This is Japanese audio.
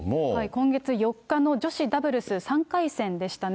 今月４日の女子ダブルス３回戦でしたね。